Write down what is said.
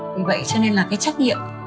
vì vậy cho nên là cái trách nhiệm